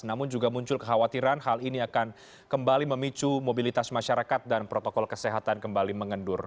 namun juga muncul kekhawatiran hal ini akan kembali memicu mobilitas masyarakat dan protokol kesehatan kembali mengendur